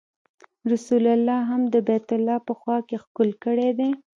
رسول الله هم د بیت الله په خوا کې ښکل کړی دی.